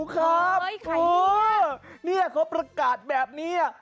เขาประกาศแบบนี้